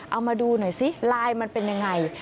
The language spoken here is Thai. เอามาดูหน่อยซิไลน์มันเป็นยังไง